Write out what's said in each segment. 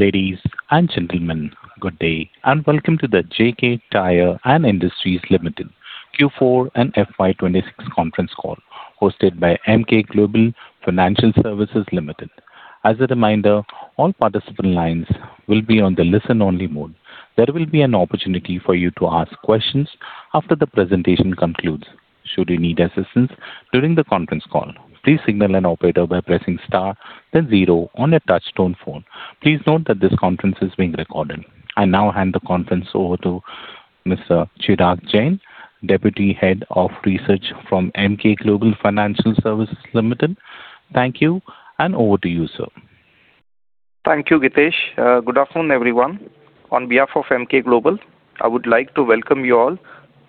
Ladies and gentlemen, good day, welcome to the JK Tyre & Industries Limited Q4 and FY 2026 conference call, hosted by Emkay Global Financial Services Limited. As a reminder, all participant lines will be on the listen-only mode. There will be an opportunity for you to ask questions after the presentation concludes. Should you need assistance during the conference call, please signal an operator by pressing star then zero on your touch-tone phone. Please note that this conference is being recorded. I now hand the conference over to Mr. Chirag Jain, Deputy Head of Research from Emkay Global Financial Services Limited. Thank you, over to you, sir. Thank you, Gitesh. Good afternoon, everyone. On behalf of Emkay Global, I would like to welcome you all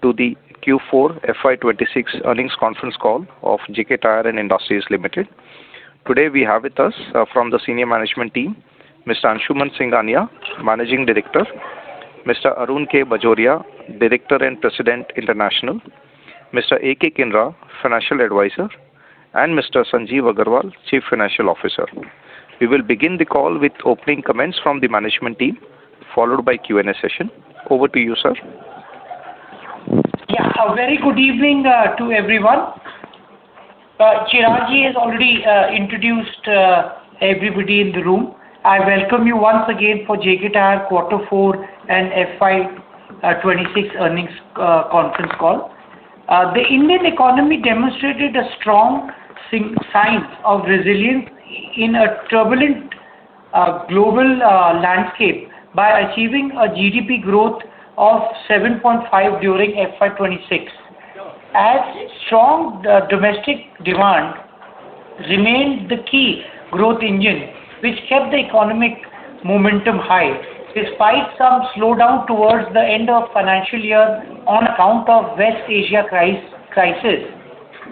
to the Q4 FY2026 earnings conference call of JK Tyre & Industries Limited. Today we have with us from the senior management team, Mr. Anshuman Singhania, Managing Director, Mr. Arun K. Bajoria, Director and President, International, Mr. A.K. Kinra, Financial Advisor, and Mr. Sanjeev Aggarwal, Chief Financial Officer. We will begin the call with opening comments from the management team, followed by Q&A session. Over to you, sir. A very good evening to everyone. Chirag has already introduced everybody in the room. I welcome you once again for JK Tyre Quarter four and FY 2026 earnings conference call. The Indian economy demonstrated a strong signs of resilience in a turbulent global landscape by achieving a GDP growth of 7.5 during FY 2026. Strong domestic demand remained the key growth engine, which kept the economic momentum high, despite some slowdown towards the end of financial year on account of West Asia crisis,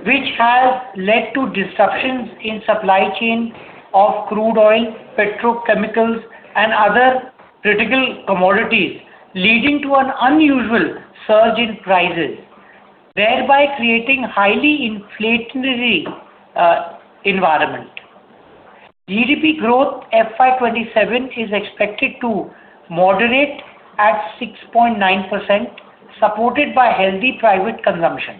which has led to disruptions in supply chain of crude oil, petrochemicals, and other critical commodities, leading to an unusual surge in prices, thereby creating highly inflationary environment. GDP growth FY 2027 is expected to moderate at 6.9%, supported by healthy private consumption.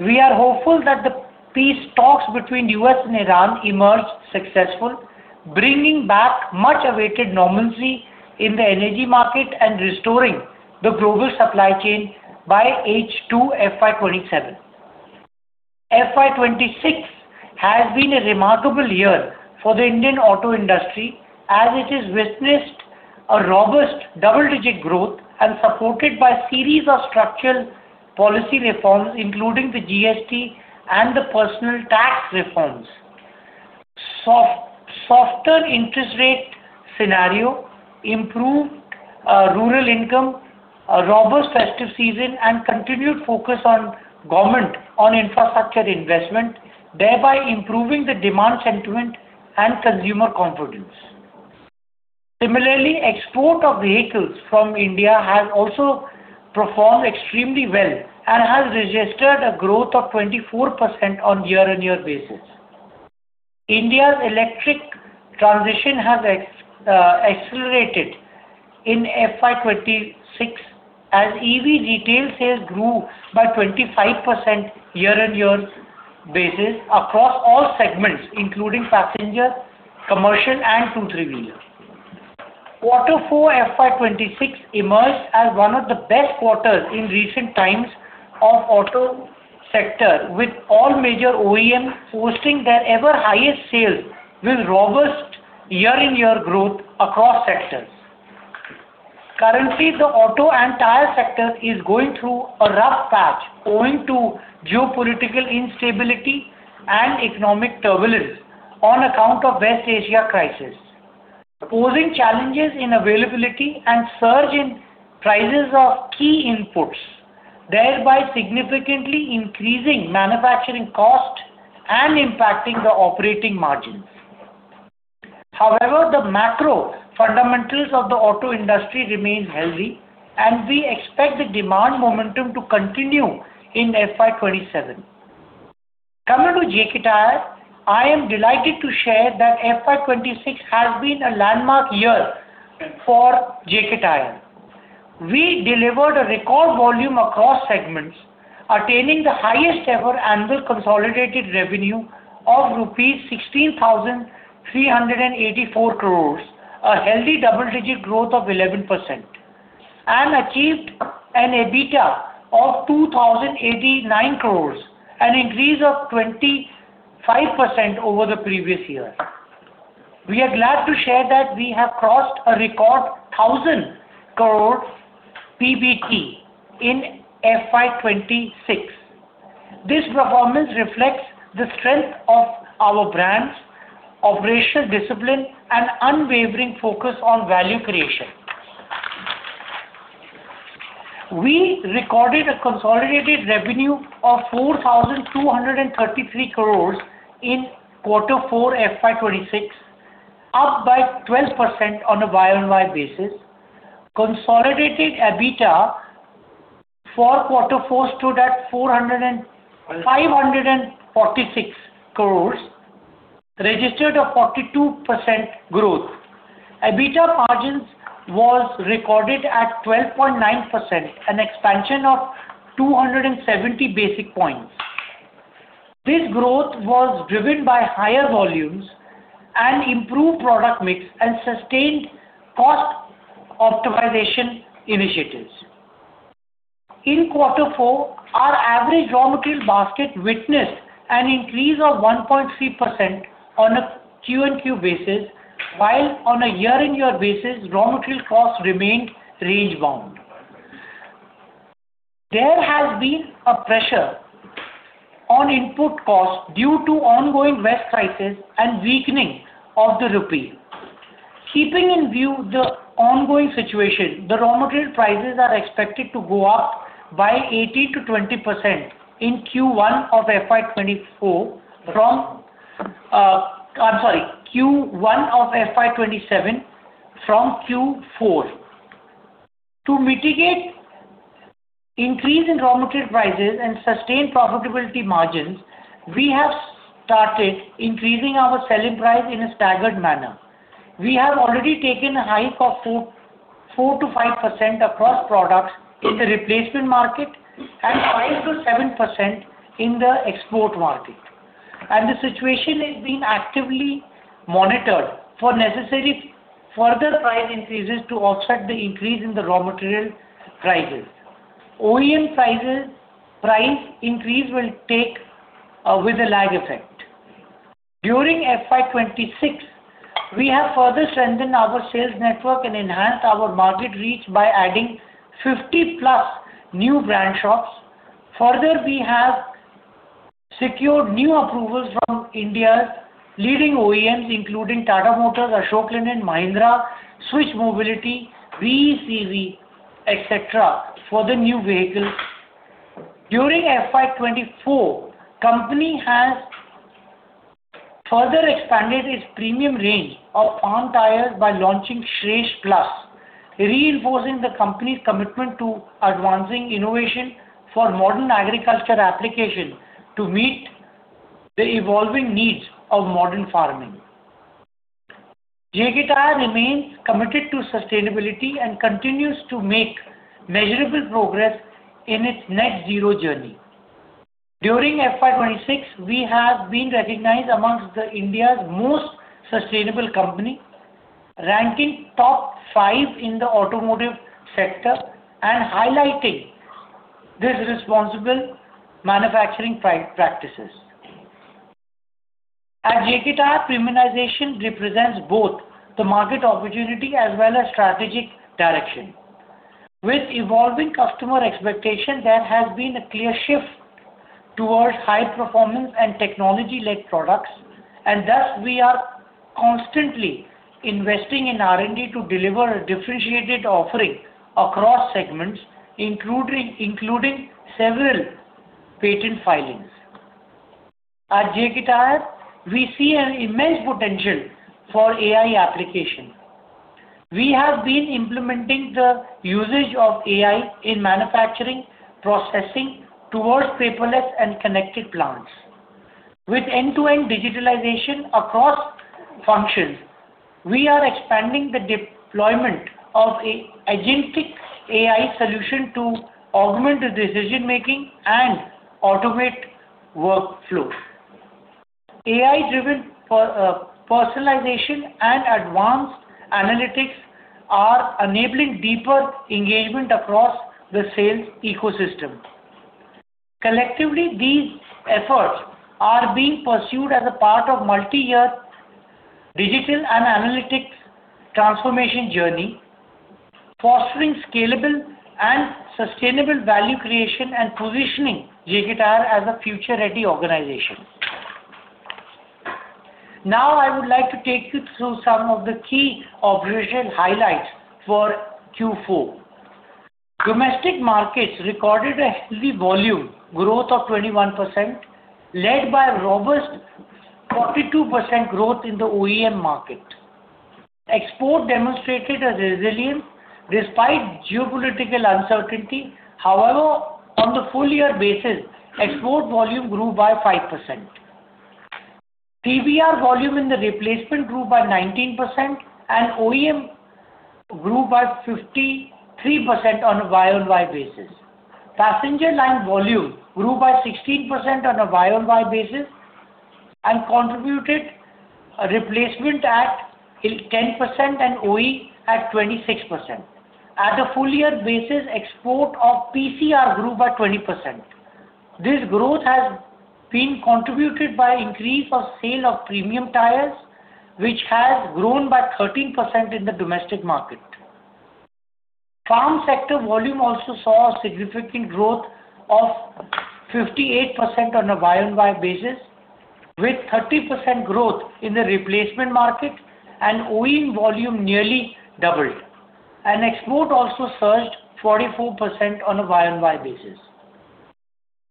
We are hopeful that the peace talks between U.S. and Iran emerge successful, bringing back much-awaited normalcy in the energy market and restoring the global supply chain by H2 FY 2027. FY 2026 has been a remarkable year for the Indian auto industry, as it has witnessed a robust double-digit growth and supported by series of structural policy reforms, including the GST and the personal tax reforms. Softer interest rate scenario, improved rural income, a robust festive season, and continued focus on government on infrastructure investment, thereby improving the demand sentiment and consumer confidence. Similarly, export of vehicles from India has also performed extremely well and has registered a growth of 24% on year-over-year basis. India's electric transition has accelerated in FY 2026 as EV retail sales grew by 25% year-over-year basis across all segments, including passenger, commercial, and two three-wheeler. Quarter four FY 2026 emerged as one of the best quarters in recent times of auto sector with all major OEM posting their ever highest sales with robust year-over-year growth across sectors. Currently, the auto and tyre sector is going through a rough patch owing to geopolitical instability and economic turbulence on account of West Asia crisis, posing challenges in availability and surge in prices of key inputs, thereby significantly increasing manufacturing cost and impacting the operating margins. However, the macro fundamentals of the auto industry remains healthy, and we expect the demand momentum to continue in FY 2027. Coming to JK Tyre, I am delighted to share that FY 2026 has been a landmark year for JK Tyre. We delivered a record volume across segments, attaining the highest ever annual consolidated revenue of rupees 16,384 crores, a healthy double-digit growth of 11%, and achieved an EBITDA of 2,089 crores, an increase of 25% over the previous year. We are glad to share that we have crossed a record 1,000 crore PBT in FY 2026. This performance reflects the strength of our brands, operational discipline, and unwavering focus on value creation. We recorded a consolidated revenue of 4,233 crores in quarter four FY 2026, up by 12% on a Y-on-Y basis. Consolidated EBITDA for quarter four stood at 546 crores, registered a 42% growth. EBITDA margins was recorded at 12.9%, an expansion of 270 basis points. This growth was driven by higher volumes and improved product mix and sustained cost optimization initiatives. In Q4, our average raw material basket witnessed an increase of 1.3% on a QoQ basis, while on a YoY basis, raw material cost remained range bound. There has been a pressure on input costs due to ongoing [west prices] and weakening of the rupee. Keeping in view the ongoing situation, the raw material prices are expected to go up by 18% to 20% in Q1 of FY 2027 from Q4. To mitigate increase in raw material prices and sustain profitability margins, we have started increasing our selling price in a staggered manner. We have already taken a hike of 4% to 5% across products in the replacement market and 5% to 7% in the export market. The situation is being actively monitored for necessary further price increases to offset the increase in the raw material prices. OEM price increase will take with a lag effect. During FY 2026, we have further strengthened our sales network and enhanced our market reach by adding 50 plus new brand shops. We have secured new approvals from India's leading OEMs including Tata Motors, Ashok Leyland, Mahindra, Switch Mobility, VECV, et cetera, for the new vehicles. During FY 2024, company has further expanded its premium range of farm tires by launching Shreshth Plus, reinforcing the company's commitment to advancing innovation for modern agriculture application to meet the evolving needs of modern farming. JK Tyre remains committed to sustainability and continues to make measurable progress in its net zero journey. During FY 2026, we have been recognized amongst the India's most sustainable company, ranking top five in the automotive sector and highlighting this responsible manufacturing practices. At JK Tyre, premiumization represents both the market opportunity as well as strategic direction. With evolving customer expectation, there has been a clear shift towards high performance and technology-led products, and thus we are constantly investing in R&D to deliver a differentiated offering across segments, including several patent filings. At JK Tyre, we see an immense potential for AI application. We have been implementing the usage of AI in manufacturing, processing towards paperless and connected plants. With end-to-end digitalization across functions, we are expanding the deployment of a agentic AI solution to augment the decision-making and automate workflow. AI-driven personalization and advanced analytics are enabling deeper engagement across the sales ecosystem. Collectively, these efforts are being pursued as a part of multi-year digital and analytics transformation journey, fostering scalable and sustainable value creation and positioning JK Tyre as a future-ready organization. Now, I would like to take you through some of the key operational highlights for Q4. Domestic markets recorded a healthy volume growth of 21%, led by robust 42% growth in the OEM market. Export demonstrated a resilience despite geopolitical uncertainty. However, on the full year basis, export volume grew by 5%. TBR volume in the replacement grew by 19% and OEM grew by 53% on a YoY basis. Passenger line volume grew by 16% on a YoY basis and contributed a replacement at 10% and OE at 26%. At the full year basis, export of PCR grew by 20%. This growth has been contributed by increase of sale of premium tires, which has grown by 13% in the domestic market. Farm sector volume also saw a significant growth of 58% on a YoY basis, with 30% growth in the replacement market, OEM volume nearly doubled. Export also surged 44% on a YoY basis.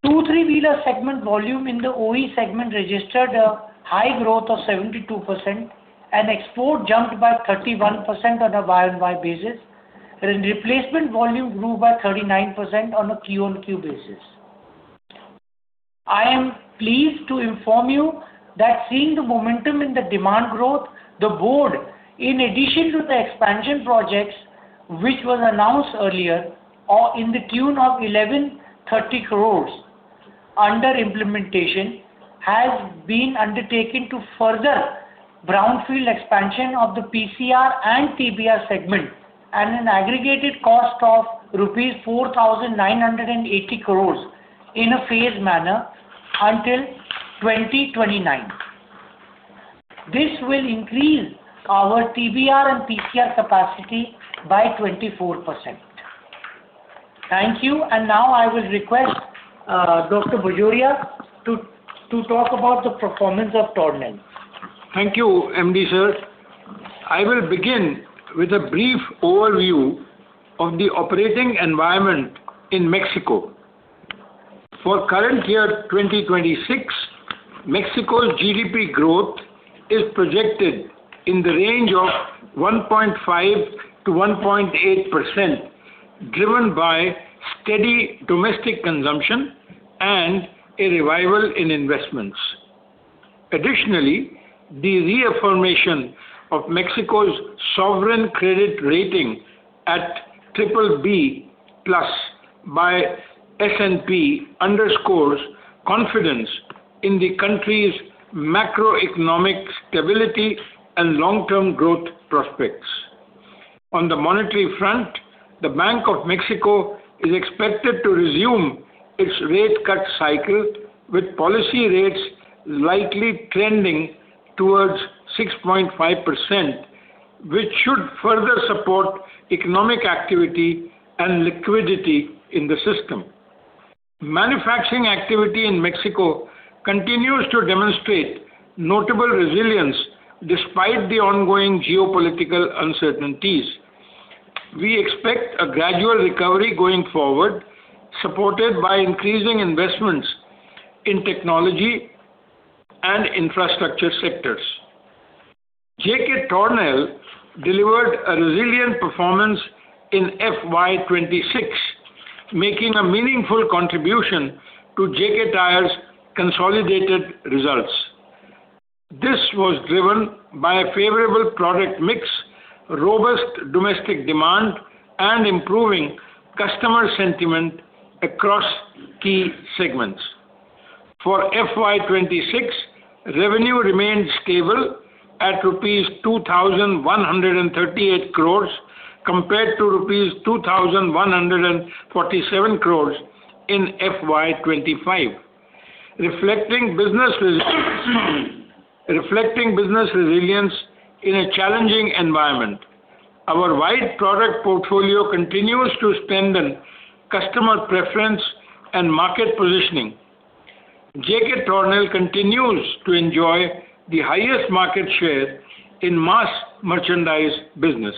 Two, three-wheeler segment volume in the OE segment registered a high growth of 72%, and export jumped by 31% on a YoY basis. Replacement volume grew by 39% on a QoQ basis. I am pleased to inform you that seeing the momentum in the demand growth, the board, in addition to the expansion projects which was announced earlier, in the tune of 1,130 crores under implementation, has been undertaking to further brownfield expansion of the PCR and TBR segment at an aggregated cost of rupees 4,980 crores in a phased manner until 2029. This will increase our TBR and PCR capacity by 24%. Thank you. Now I will request Dr. Bajoria to talk about the performance of Tornel. Thank you, MD Sir. I will begin with a brief overview of the operating environment in Mexico. For current year 2026, Mexico's GDP growth is projected in the range of 1.5% to 1.8%, driven by steady domestic consumption and a revival in investments. Additionally, the reaffirmation of Mexico's sovereign credit rating at BBB+ by S&P underscores confidence in the country's macroeconomic stability and long-term growth prospects. On the monetary front, the Bank of Mexico is expected to resume its rate cut cycle, with policy rates likely trending towards 6.5%, which should further support economic activity and liquidity in the system. Manufacturing activity in Mexico continues to demonstrate notable resilience despite the ongoing geopolitical uncertainties. We expect a gradual recovery going forward, supported by increasing investments in technology and infrastructure sectors. JK Tornel delivered a resilient performance in FY 2026, making a meaningful contribution to JK Tyre's consolidated results. This was driven by a favorable product mix, robust domestic demand, and improving customer sentiment across key segments. For FY 2026, revenue remained stable at rupees 2,138 crore compared to rupees 2,147 crore in FY 2025. Reflecting business resilience in a challenging environment, our wide product portfolio continues to strengthen customer preference and market positioning. JK Tornel continues to enjoy the highest market share in mass merchandise business.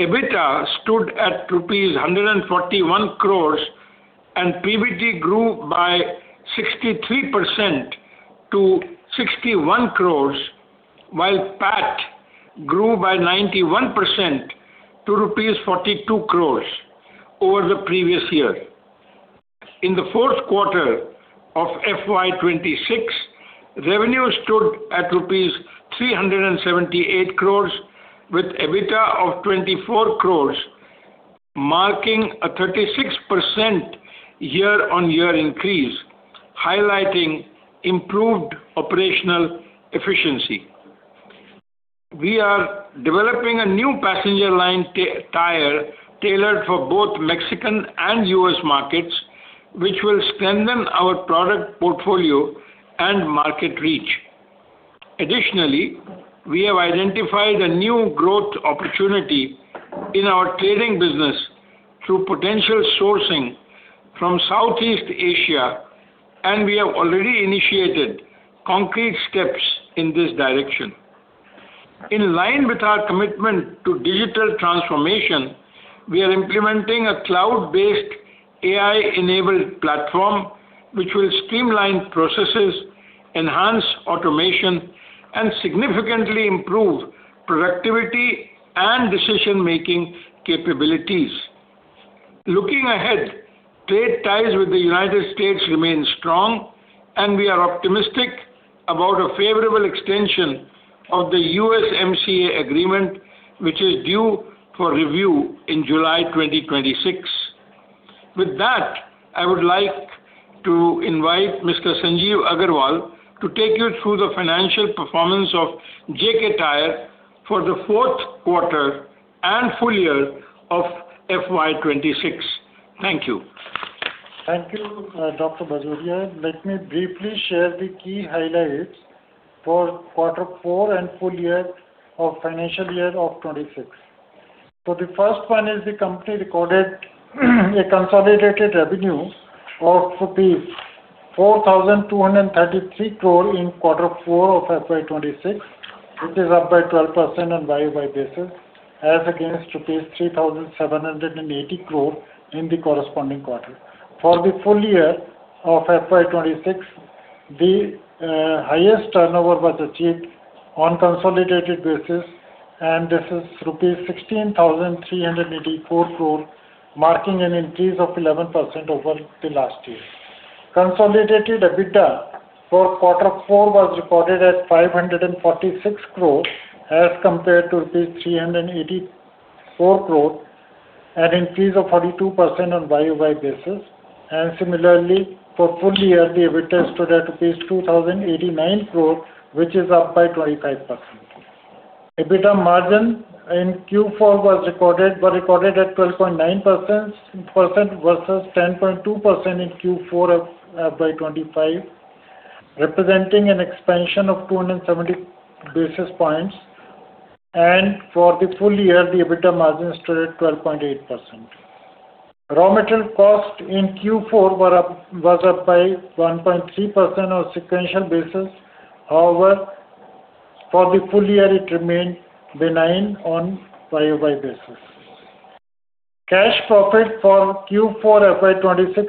EBITDA stood at rupees 141 crore, and PBT grew by 63% to 61 crore, while PAT grew by 91% to rupees 42 crore over the previous year. In the fourth quarter of FY 2026, revenue stood at INR 378 crore with EBITDA of 24 crore, marking a 36% year-on-year increase, highlighting improved operational efficiency. We are developing a new passenger line tire tailored for both Mexican and U.S. markets, which will strengthen our product portfolio and market reach. Additionally, we have identified a new growth opportunity in our trading business through potential sourcing from Southeast Asia, and we have already initiated concrete steps in this direction. In line with our commitment to digital transformation, we are implementing a cloud-based AI-enabled platform, which will streamline processes, enhance automation, and significantly improve productivity and decision-making capabilities. Looking ahead, trade ties with the United States remain strong, and we are optimistic about a favorable extension of the USMCA agreement, which is due for review in July 2026. With that, I would like to invite Mr. Sanjeev Aggarwal to take you through the financial performance of JK Tyre for the fourth quarter and full year of FY 2026. Thank you. Thank you, Dr. Bajoria. Let me briefly share the key highlights for quarter four and full year of FY 2026. The first one is the company recorded a consolidated revenue of 4,233 crore in quarter four of FY 2026, which is up by 12% on YoY basis as against rupees 3,780 crore in the corresponding quarter. For the full year of FY 2026, the highest turnover was achieved on consolidated basis, and this is rupees 16,384 crore, marking an increase of 11% over the last year. Consolidated EBITDA for quarter four was recorded at 546 crore, as compared to rupees 384 crore, an increase of 42% on YoY basis. Similarly, for full year, the EBITDA stood at rupees 2,089 crore, which is up by 25%. EBITDA margin in Q4 was recorded at 12.9% versus 10.2% in Q4 of FY 2025, representing an expansion of 270 basis points. For the full year, the EBITDA margin stood at 12.8%. Raw material cost in Q4 was up by 1.3% on sequential basis. However, for the full year, it remained benign on YoY basis. Cash profit for Q4 FY 2026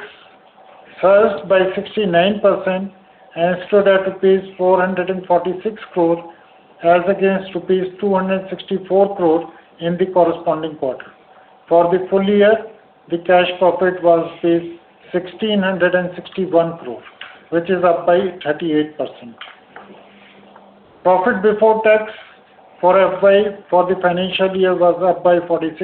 surged by 69% and stood at rupees 446 crore as against rupees 264 crore in the corresponding quarter. For the full year, the cash profit was rupees 1,661 crore, which is up by 38%. Profit before tax for the financial year was up by 46%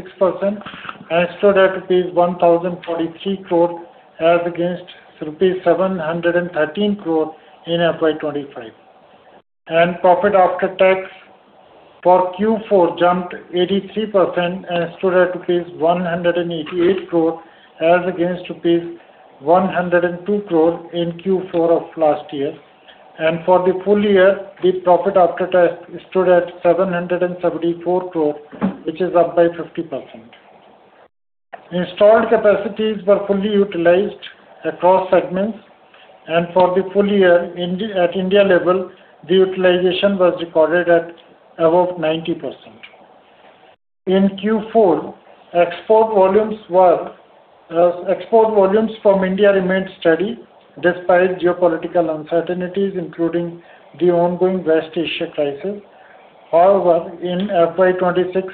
and stood at rupees 1,043 crore as against rupees 713 crore in FY 2025. Profit after tax for Q4 jumped 83% and stood at 188 crore as against 102 crore in Q4 of last year. For the full year, the profit after tax stood at 774 crore, which is up by 50%. Installed capacities were fully utilized across segments, and for the full year at India level, the utilization was recorded at above 90%. In Q4, export volumes from India remained steady despite geopolitical uncertainties, including the ongoing West Asia crisis. However, in FY 2026,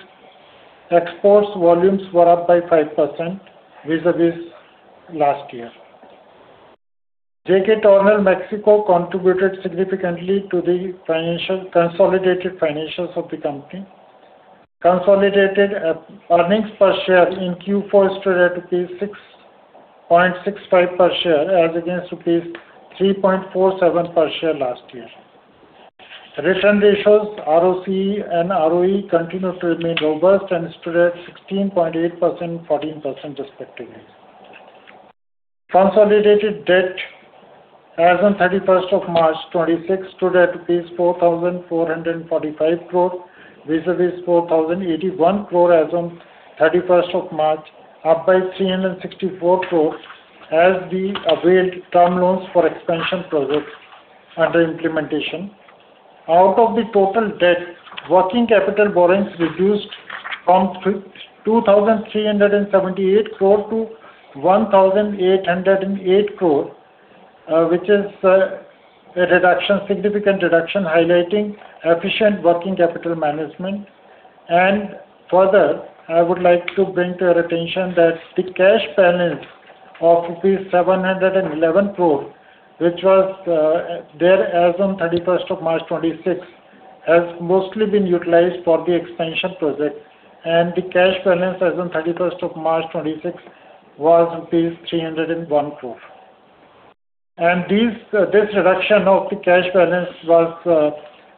exports volumes were up by 5% vis-à-vis last year. JK Tornel contributed significantly to the consolidated financials of the company. Consolidated earnings per share in Q4 stood at 6.65 per share as against 3.47 per share last year. Return ratios, ROC and ROE, continue to remain robust and stood at 16.8%, 14% respectively. Consolidated debt as on 31st of March 2026 stood at rupees 4,445 crore vis-à-vis 4,081 crore as on 31st of March, up by 364 crore as the availed term loans for expansion projects under implementation. Out of the total debt, working capital borrowings reduced from 2,378 crore to 1,808 crore, which is a significant reduction highlighting efficient working capital management. Further, I would like to bring to your attention that the cash balance of rupees 711 crore, which was there as on 31st of March 2026, has mostly been utilized for the expansion project, and the cash balance as on 31st of March 2026 was rupees 301 crore. This reduction of the cash balance was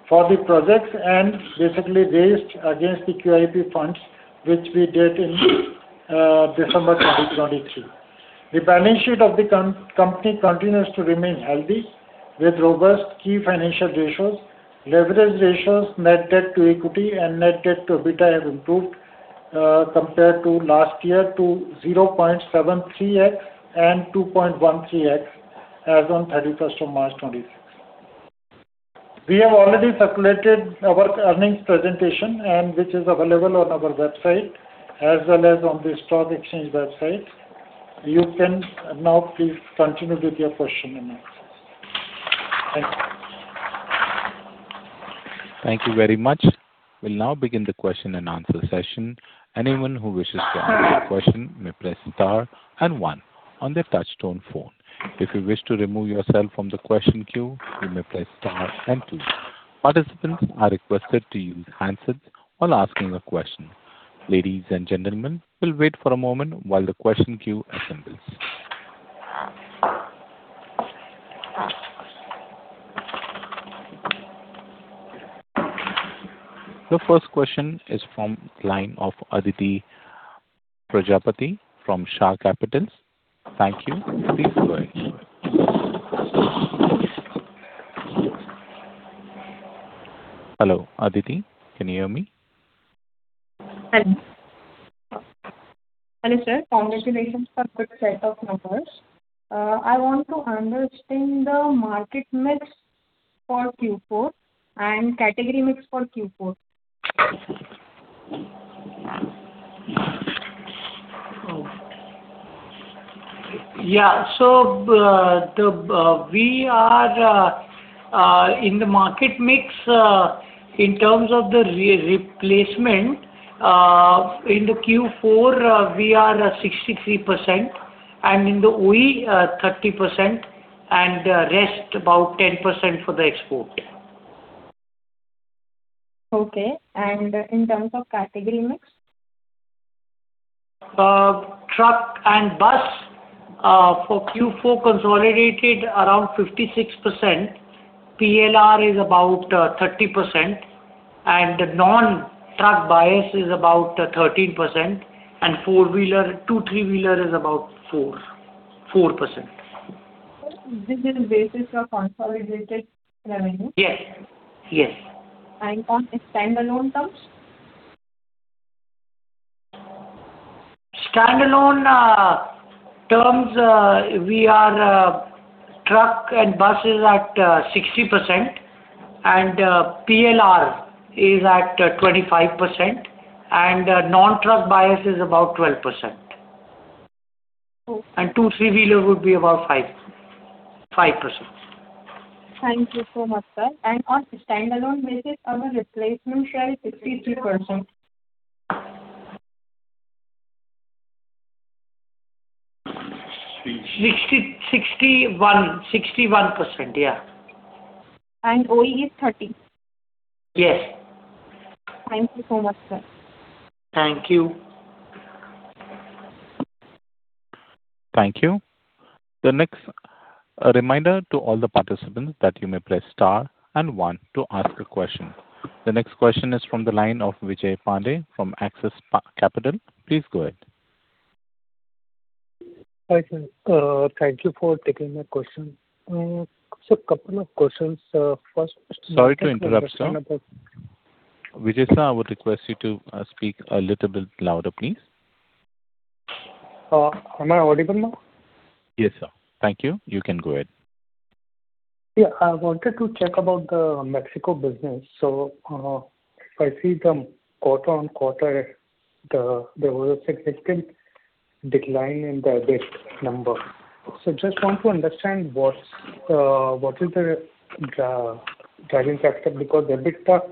for the projects and basically raised against the QIP funds, which we did in December 2023. The balance sheet of the company continues to remain healthy with robust key financial ratios. Leverage ratios, net debt to equity and net debt to EBITDA have improved, compared to last year to 0.73x and 2.13x as on 31st of March 2026. We have already circulated our earnings presentation and which is available on our website as well as on the stock exchange website. You can now please continue with your question and answers. Thank you. Thank you very much. We'll now begin the question and answer session. Anyone who wishes to ask a question my press star and one on their Touch-Tone phone. If you wish to remove your question from the question queue you may press star then two. All participants are requested to use handsets while asking the question. Ladies and gentlemen we wait for a moment while the question queue assembles. The first question is from line of Aditi Prajapati from Shah Capital. Thank you. Please go ahead. Hello, Aditi. Can you hear me? Hello. Hello, sir. Congratulations for good set of numbers. I want to understand the market mix for Q4 and category mix for Q4. In the market mix, in terms of the replacement, in the Q4, we are 63%, and in the OE 30%, and rest about 10% for the export. Okay. In terms of category mix? Truck and bus for Q4 consolidated around 56%. PCR is about 30%, and non-truck bias is about 13%, and two/three-wheeler is about 4%. Sir, this is basis of consolidated revenue? Yes. On standalone terms? Standalone terms, truck and bus is at 60%, and PCR is at 25%, and non-truck bias is about 12%. Okay. Two/three-wheeler would be about 5%. Thank you so much, sir. On standalone basis our replacement share is 63%. 61%. Yeah. OE is 30%? Yes. Thank you so much, sir. Thank you. Thank you. A reminder to all the participants that you may press star and one to ask a question. The next question is from the line of Vijay Pandey from Axis Capital. Please go ahead. Hi, sir. Thank you for taking my question. Sir, couple of questions. First question. Sorry to interrupt, sir. Vijay sir, I would request you to speak a little bit louder, please. Am I audible now? Yes, sir. Thank you. You can go ahead. Yeah. I wanted to check about the Mexico business. If I see the quarter-on-quarter, there was a significant decline in the EBITDA number. I just want to understand what is the driving factor, because EBITDA,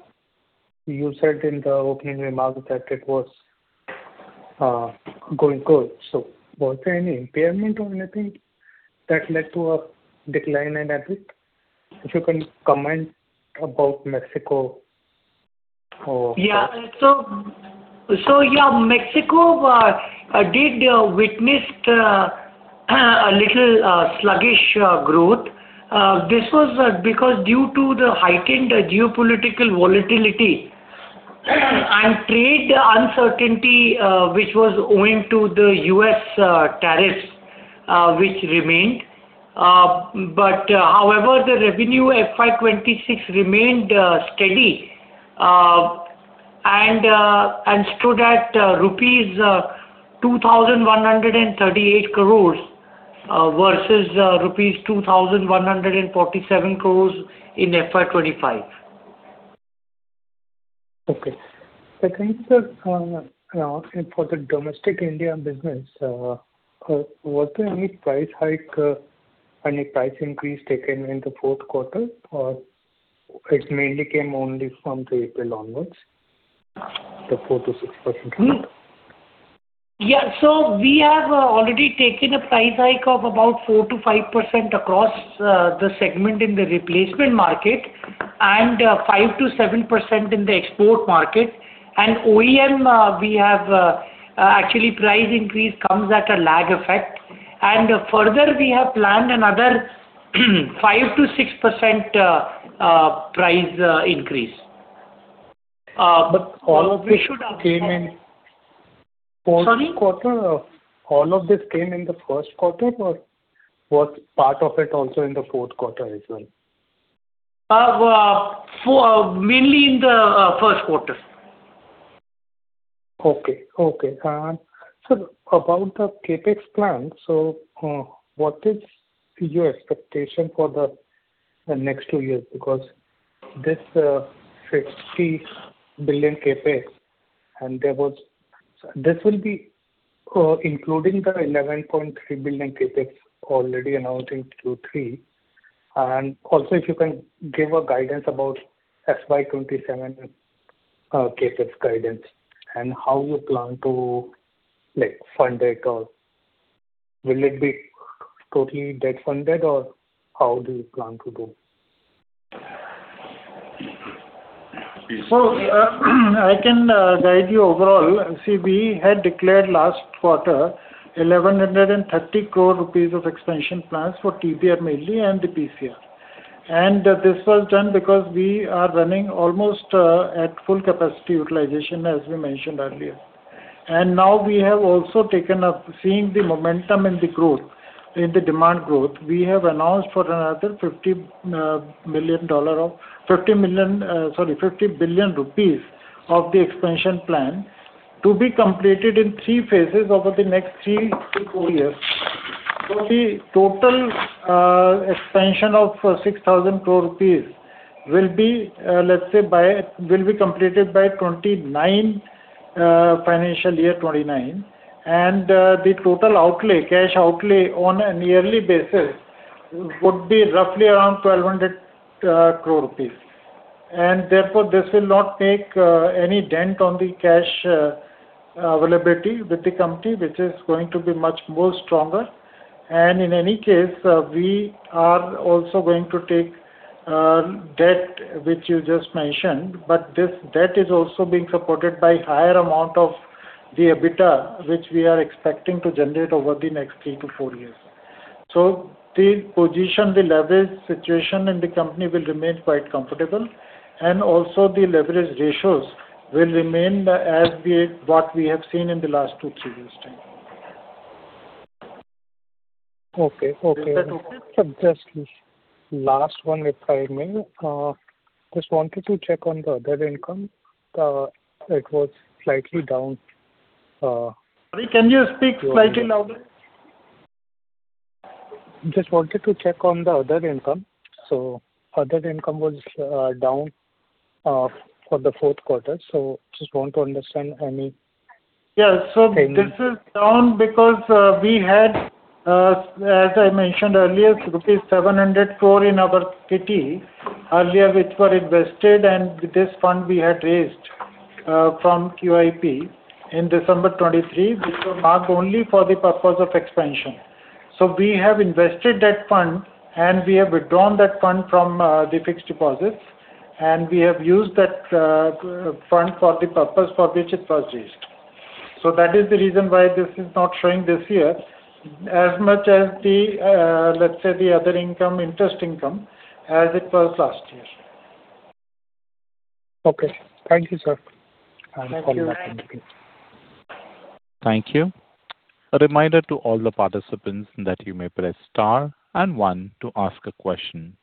you said in the opening remarks that it was going good. Was there any impairment or anything that led to a decline in EBITDA? If you can comment about Mexico. Yeah, Mexico did witness a little sluggish growth. This was because due to the heightened geopolitical volatility and trade uncertainty, which was owing to the U.S. tariffs, which remained. However, the revenue FY 2026 remained steady, and stood at rupees 2,138 crores, versus rupees 2,147 crores in FY 2025. Okay. Second sir, for the domestic India business, was there any price hike, any price increase taken in the fourth quarter, or it mainly came only from the April onwards, the 4% to 6% hike? Yeah. We have already taken a price hike of about 4% to 5% across the segment in the replacement market and 5% to 7% in the export market. OEM, we have actually price increase comes at a lag effect, and further we have planned another 5% to 6% price increase. All of this came in. Sorry? All of this came in the first quarter or was part of it also in the fourth quarter as well? Mainly in the first quarter. Okay. Sir, about the CapEx plan, what is your expectation for the next two years? This 60 billion CapEx, this will be including the 11.3 billion CapEx already announced in Q3. Also, if you can give a guidance about FY 2027 CapEx guidance, how you plan to fund it, will it be totally debt funded or how do you plan to do? I can guide you overall. See, we had declared last quarter 1,130 crore rupees of expansion plans for TBR mainly and the PCR. This was done because we are running almost at full capacity utilization as we mentioned earlier. Now we have also taken up, seeing the momentum in the demand growth, we have announced for another 50 billion rupees of the expansion plan to be completed in three phases over the next three to four years. The total expansion of 6,000 crore rupees will be completed by FY 2029. The total cash outlay on a yearly basis would be roughly around 1,200 crore rupees. Therefore, this will not make any dent on the cash availability with the company, which is going to be much more stronger. In any case, we are also going to take debt, which you just mentioned. This debt is also being supported by higher amount of the EBITDA, which we are expecting to generate over the next 3-4 years. The position, the leverage situation in the company will remain quite comfortable, and also the leverage ratios will remain as what we have seen in the last two, three years time. Okay. Is that okay? Just last one, if I may. Just wanted to check on the other income. It was slightly down. Sorry, can you speak slightly louder? Just wanted to check on the other income. Other income was down for the fourth quarter. Just want to understand any. This is down because we had, as I mentioned earlier, rupees 700 crore in our kitty, earlier which were invested and this fund we had raised from QIP in December 2023, which were marked only for the purpose of expansion. We have invested that fund, and we have withdrawn that fund from the fixed deposits, and we have used that fund for the purpose for which it was raised. That is the reason why this is not showing this year as much as the, let's say, the other income, interest income, as it was last year. Okay. Thank you, sir. Thank you. I'll follow up. Thank you. A reminder to all the participants that you may press star and one to ask a question.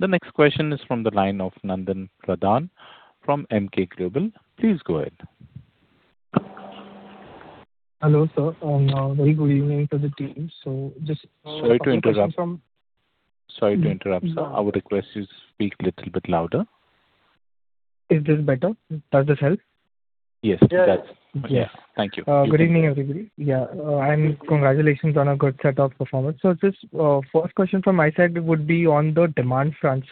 The next question is from the line of Nandan Pradhan from Emkay Global. Please go ahead. Hello, sir. Very good evening to the team. Sorry to interrupt, sir. I would request you to speak a little bit louder. Is this better? Does this help? Yes, it does. Yeah. Thank you. Good evening, everybody. Yeah. Congratulations on a good set of performance. Just first question from my side would be on the demand front.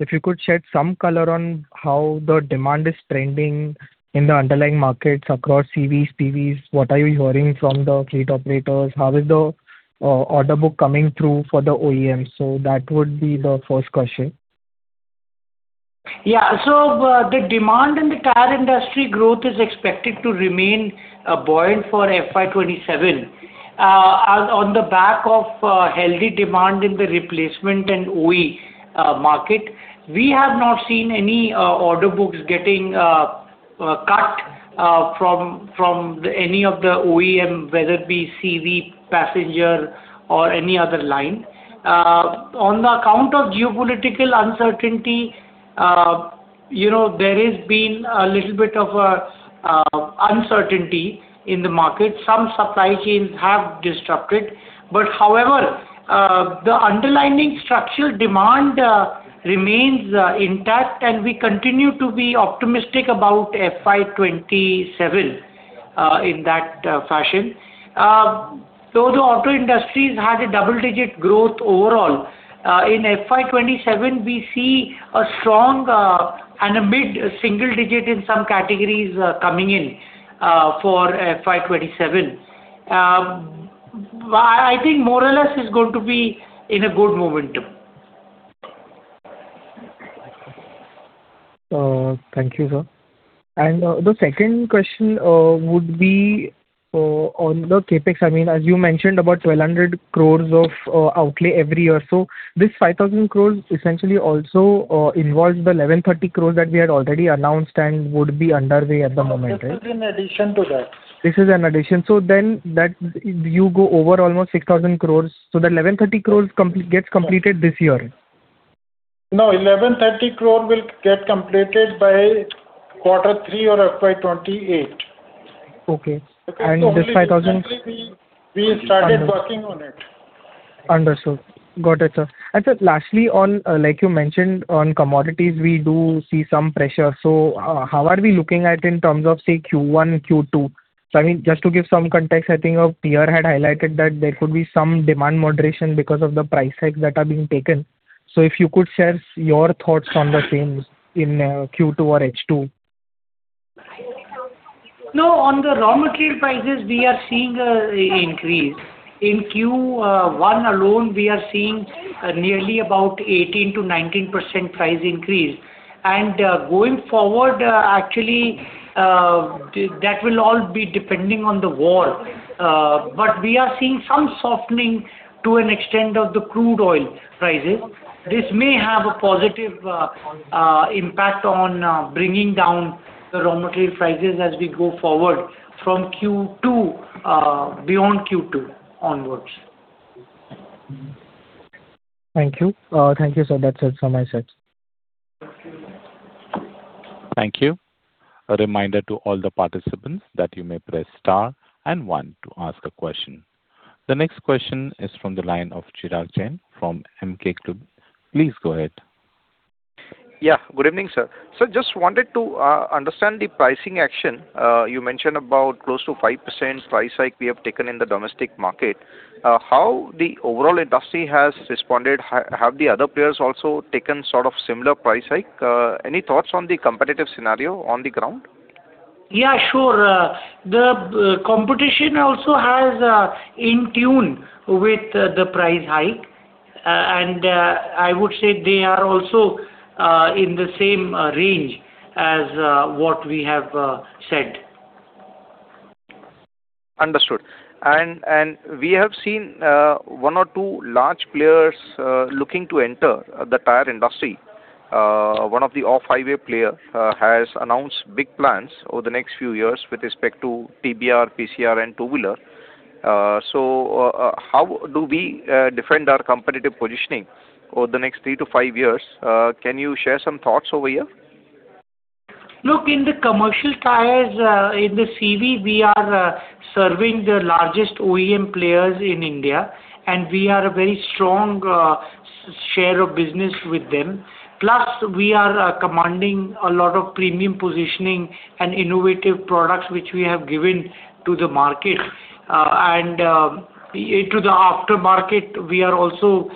If you could shed some color on how the demand is trending in the underlying markets across CVs, TBRs. What are you hearing from the fleet operators? How is the order book coming through for the OEMs? That would be the first question. The demand in the tire industry growth is expected to remain buoyant for FY 2027 on the back of healthy demand in the replacement and OE market. We have not seen any order books getting cut from any of the OEM, whether it be CV, passenger, or any other line. On the account of geopolitical uncertainty, there has been a little bit of uncertainty in the market. Some supply chains have disrupted. However, the underlying structural demand remains intact, and we continue to be optimistic about FY 2027 in that fashion. The auto industries had a double-digit growth overall. In FY 2027, we see a strong and a mid-single digit in some categories coming in for FY 2027. I think more or less it's going to be in a good momentum. Thank you, sir. The second question would be on the CapEx. As you mentioned, about 1,200 crores of outlay every year. This 5,000 crores essentially also involves the 1,130 crores that we had already announced and would be underway at the moment, right? This is in addition to that. This is an addition. You go over almost 6,000 crores. The 1,130 crores gets completed this year? No, 1,130 crore will get completed by quarter three or FY 2028. Okay. This 5,000- We started working on it. Understood. Got it, sir. Sir, lastly, like you mentioned on commodities, we do see some pressure. How are we looking at in terms of, say, Q1, Q2? Just to give some context, I think a peer had highlighted that there could be some demand moderation because of the price hikes that are being taken. If you could share your thoughts on the same in Q2 or H2. No, on the raw material prices, we are seeing a increase. In Q1 alone, we are seeing nearly about 18% to 19% price increase. Going forward, actually, that will all be depending on the war. We are seeing some softening to an extent of the crude oil prices. This may have a positive impact on bringing down the raw material prices as we go forward from Q2, beyond Q2 onwards. Thank you, sir. That's it from my side. Thank you. A reminder to all the participants that you may press star and one to ask a question. The next question is from the line of Chirag Jain from Emkay Global. Please go ahead. Good evening, sir. Sir, just wanted to understand the pricing action. You mentioned about close to 5% price hike we have taken in the domestic market. How the overall industry has responded? Have the other players also taken sort of similar price hike? Any thoughts on the competitive scenario on the ground? Yeah, sure. The competition also has in tune with the price hike. I would say they are also in the same range as what we have said. Understood. We have seen one or two large players looking to enter the tyre industry. One of the off-highway player has announced big plans over the next few years with respect to TBR, PCR, and two-wheeler. How do we defend our competitive positioning over the next three to five years? Can you share some thoughts over here? Look, in the commercial tires, in the CV, we are serving the largest OEM players in India, and we are a very strong share of business with them. Plus, we are commanding a lot of premium positioning and innovative products which we have given to the market. To the after-market, we are also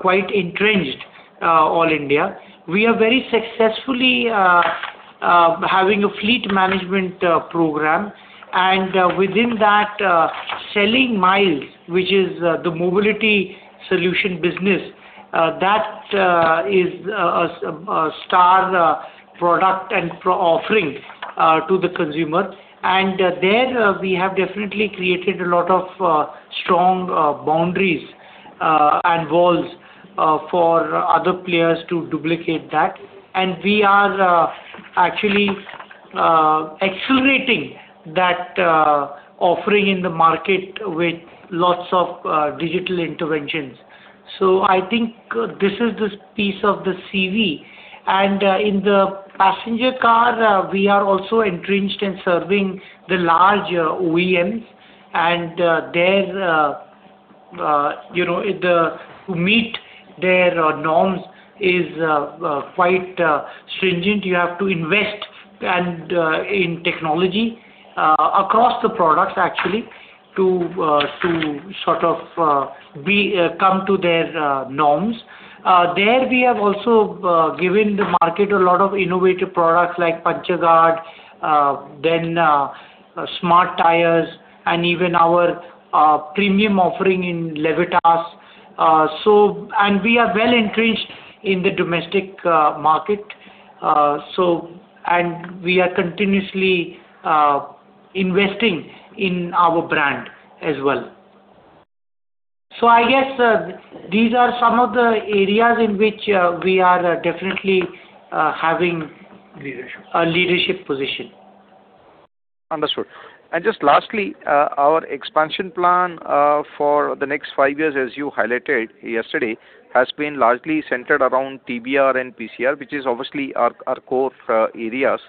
quite entrenched all India. We are very successfully having a fleet management program. Within that, selling Miles, which is the mobility solution business, that is a star product and offering to the consumer. There, we have definitely created a lot of strong boundaries and walls for other players to duplicate that. We are actually accelerating that offering in the market with lots of digital interventions. I think this is the piece of the CV. In the passenger car, we are also entrenched in serving the large OEMs and to meet their norms is quite stringent. You have to invest in technology, across the products actually, to sort of come to their norms. There, we have also given the market a lot of innovative products like Puncture Guard, then smart tires, and even our premium offering in Levitas. We are well entrenched in the domestic market. We are continuously investing in our brand as well. I guess these are some of the areas in which we are definitely having a leadership position. Understood. Just lastly, our expansion plan for the next five years, as you highlighted yesterday, has been largely centered around TBR and PCR, which is obviously our core areas.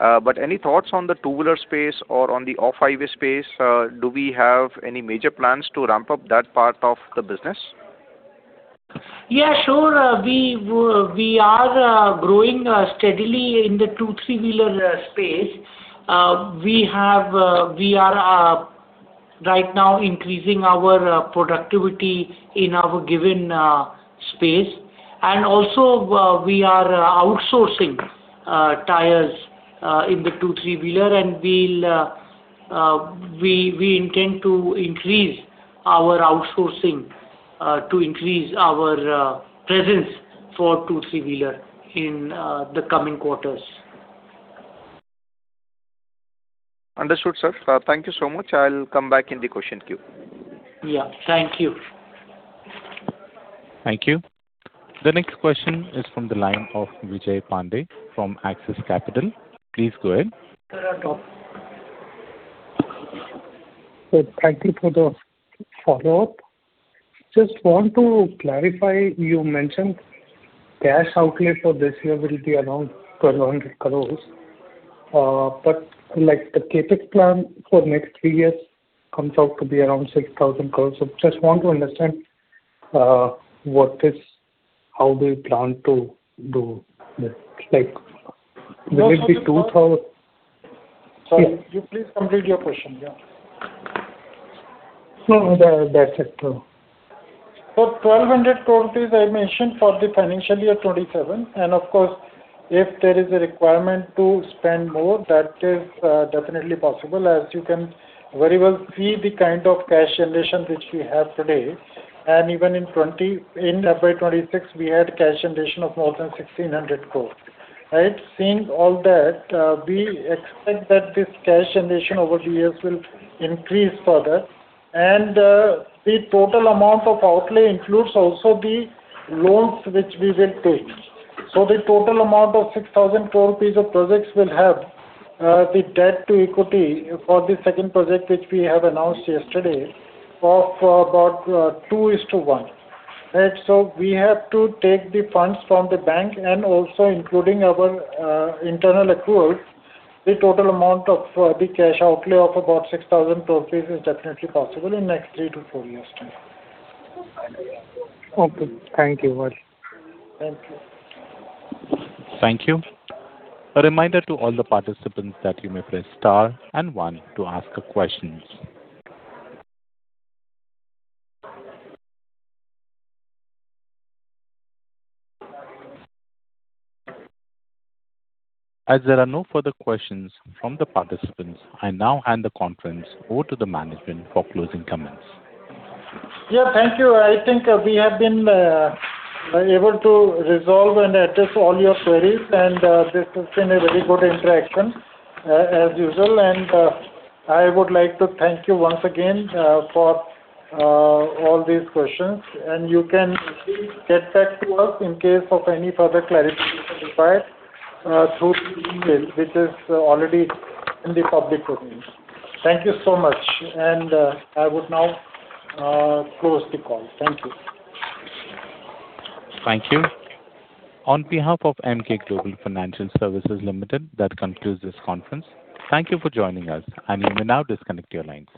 Any thoughts on the two-wheeler space or on the off-highway space? Do we have any major plans to ramp up that part of the business? Yeah, sure. We are growing steadily in the two, three-wheeler space. We are right now increasing our productivity in our given space. Also, we are outsourcing tires in the two, three-wheeler, and we intend to increase our outsourcing to increase our presence for two, three-wheeler in the coming quarters. Understood, sir. Thank you so much. I'll come back in the question queue. Yeah. Thank you. Thank you. The next question is from the line of Vijay Pandey from Axis Capital. Please go ahead. Sir, on top. Thank you for the follow-up. Just want to clarify, you mentioned cash outlet for this year will be around INR 1,200 crores. The CapEx plan for next three years comes out to be around INR 6,000 crores. Just want to understand how they plan to do this. Sorry, could you please complete your question? Yeah. No, that's it. INR 1,200 crore is, I mentioned, for FY 2027. Of course, if there is a requirement to spend more, that is definitely possible as you can very well see the kind of cash generation which we have today. Even in February 2026, we had cash generation of more than 1,600 crore. Right. Seeing all that, we expect that this cash generation over the years will increase further. The total amount of outlay includes also the loans which we will take. The total amount of 6,000 crore rupees of projects will have the debt to equity for the second project, which we have announced yesterday, of about 2:1. Right. We have to take the funds from the bank and also including our internal accruals. The total amount of the cash outlay of about 6,000 crore is definitely possible in next three to four years time. Okay. Thank you very much. Thank you. Thank you. A reminder to all the participants that you may press star and one to ask a question. As there are no further questions from the participants, I now hand the conference over to the management for closing comments. Yeah, thank you. I think we have been able to resolve and address all your queries. This has been a very good interaction, as usual. I would like to thank you once again for all these questions. You can please get back to us in case of any further clarification required through email, which is already in the public domain. Thank you so much. I would now close the call. Thank you. Thank you. On behalf of Emkay Global Financial Services Limited, that concludes this conference. Thank you for joining us, and you may now disconnect your lines.